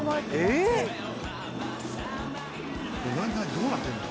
どうなってんの？